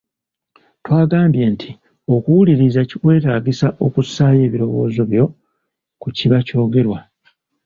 Twagambye nti okuwuliriza kikwetaagisa okussaayo ebirowoozo byo ku kiba ky’ogerwa.